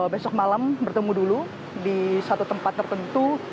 besok malam bertemu dulu di satu tempat tertentu